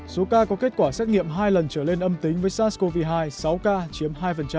số ca có kết quả xét nghiệm hai lần trở lên âm tính với sars cov hai sáu ca chiếm hai